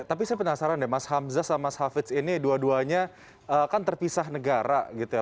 tapi saya penasaran deh mas hamzah sama mas hafiz ini dua duanya kan terpisah negara gitu ya